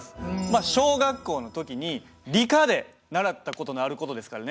まあ小学校の時に理科で習った事のある事ですからね。